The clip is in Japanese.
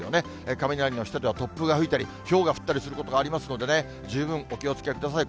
雷の下では突風が吹いたり、ひょうが降ったりすることがありますのでね、十分お気をつけください。